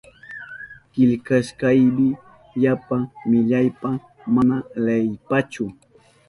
Killkashkayki yapa millaypa mana leyipachu.